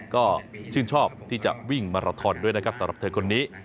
ก็ชื่นชอบที่จะวิ่งมาราทอนด้วยนะครับสำหรับเธอคนนี้